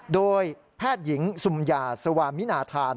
โดยแพทย์หญิงสุมยาสวามินาธาน